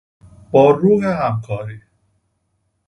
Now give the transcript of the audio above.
با روح همکاری